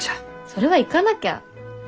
それは行かなきゃ。